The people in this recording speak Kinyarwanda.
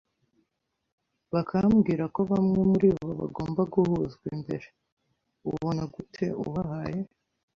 bakambwira ko bamwe muribo bagomba guhuzwa imbere. Ubona gute ubahaye